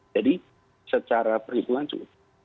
jadi secara perhitungan cukup